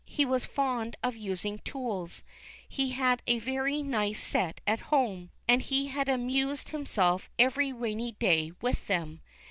He was fond of using tools ; he had a very nice set at home, and he had amused himself every rainy day with them.